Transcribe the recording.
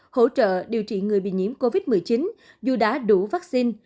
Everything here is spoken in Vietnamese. hỗ trợ điều trị người bị nhiễm covid một mươi chín dù đã đủ vaccine